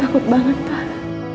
aku takut banget pak